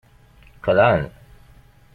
Qelɛen.